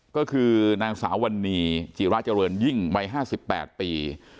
ก็คือนางสาวรรณีจีราเจริญยิ่งวัยห้าสิบแปดปี